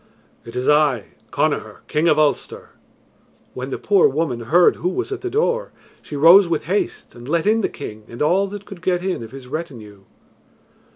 "It is I, Connachar, King of Ulster." When the poor woman heard who was at the door, she rose with haste and let in the king and all that could get in of his retinue.